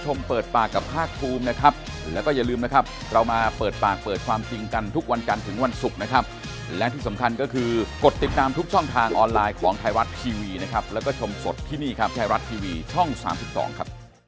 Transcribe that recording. ที่นี่ครับแค่รัททีวีช่อง๓๒ครับ